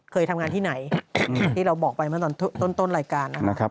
เคยทำงานที่ไหนที่เราบอกไปเมื่อตอนต้นรายการนะครับ